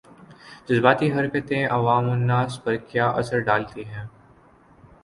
جذباتی حرکتیں عوام الناس پر کیا اثرڈالتی ہیں